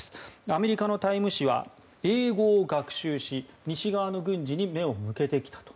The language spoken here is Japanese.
アメリカの「タイム」誌は英語を学習し西側の軍事に目を向けてきたと。